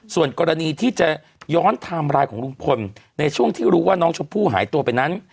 ส่วนกรณีที่จะย้อนไทม์ไลน์ของลุงพลในช่วงที่รู้ว่าน้องชมพู่หายตัวไปนั้น